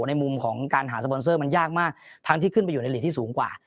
ในมุมของการหาสปอนเซอร์มันยากมากทั้งที่ขึ้นไปอยู่ในหลีกที่สูงกว่า